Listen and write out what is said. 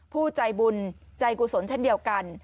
ผู้ใจบุญใจกุศลเช่นเดียวกัน